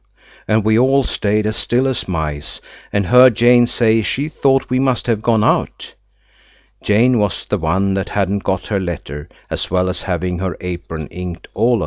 and we all stayed as still as mice, and heard Jane say she thought we must have gone out. Jane was the one that hadn't got her letter, as well as having her apron inked all over.